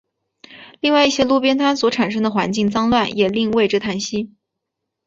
另外一些路边摊所产生的环境脏乱也令为之叹息。